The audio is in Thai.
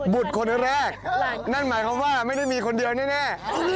ตรคนแรกนั่นหมายความว่าไม่ได้มีคนเดียวแน่